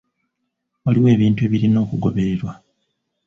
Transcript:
Waliwo ebintu ebirina okugobererwa.